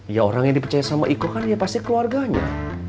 ya orang yang dipercaya sama iko kan ya pasti keluarganya